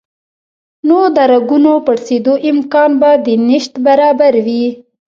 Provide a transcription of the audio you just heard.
نو د رګونو پړسېدو امکان به د نشت برابر وي